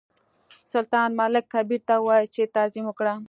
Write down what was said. سلطان ملک کبیر ته وویل چې تعظیم وکړه.